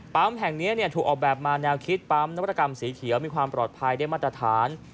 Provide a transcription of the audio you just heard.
แห่งนี้ถูกออกแบบมาแนวคิดปั๊มนวัตกรรมสีเขียวมีความปลอดภัยได้มาตรฐาน